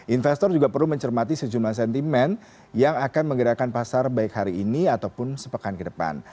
investor juga perlu mencermati sejumlah sentimen yang akan menggerakkan pasar baik hari ini ataupun sepekan ke depan